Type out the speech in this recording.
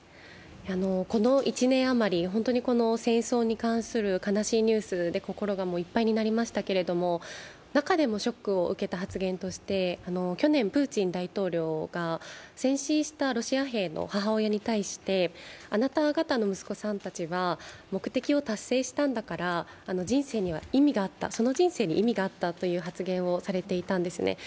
この１年あまりこの戦争に関する悲しいニュースで心がいっぱいになりましたけれども、中でもショックを受けた発言として去年プーチン大統領が戦死したロシア兵の母親に対して、あなた方の息子さんたちは目的を達成したんだからその人生には意味があったという発言をされていたんですね。